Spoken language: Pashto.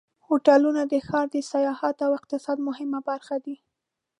هوټلونه د ښار د سیاحت او اقتصاد مهمه برخه دي.